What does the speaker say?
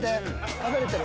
食べれてる？